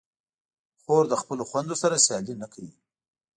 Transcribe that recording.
خور له خپلو خویندو سره سیالي نه کوي.